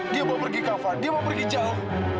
dia bawa pergi kafa dia bawa pergi jauh